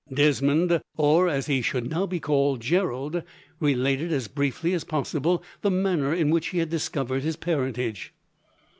Desmond, or as he should now be called, Gerald, related as briefly as possible the manner in which he had discovered his parentage.